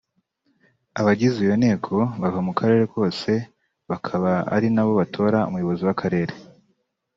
Abagize iyo nteko bava mu karere kose bakaba ari na bo batora umuyobozi w’akarere